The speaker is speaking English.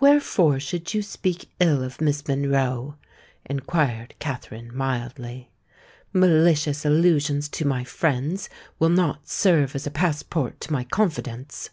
"Wherefore should you speak ill of Miss Monroe?" inquired Katherine, mildly. "Malicious allusions to my friends will not serve as a passport to my confidence."